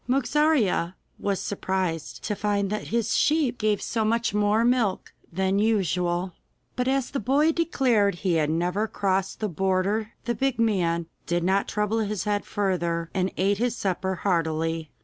Mogarzea was surprised to find that his sheep gave so much more milk than usual, but as the boy declared he had never crossed the border the big man did not trouble his head further, and ate his supper heartily.